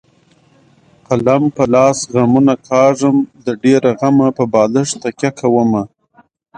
قلم په لاس غمونه کاږم د ډېره غمه په بالښت تکیه کومه.